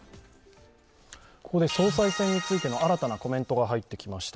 ここで総裁選についての新たなコメントが入ってきました。